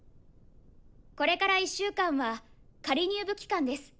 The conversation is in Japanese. これから１週間は仮入部期間です。